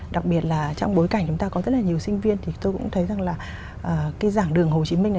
đặc biệt là trong bối cảnh chúng ta có rất là nhiều sinh viên thì tôi cũng thấy rằng là cái giảng đường hồ chí minh này